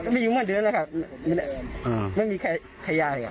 เมื่อเดือนนะค่ะไม่มีไข่ไข่ยา